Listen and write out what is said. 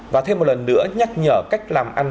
và thêm một lần nữa nhắc nhở cách làm ăn